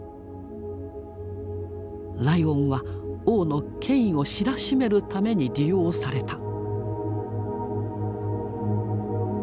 ライオンは王の権威を知らしめるために利用された。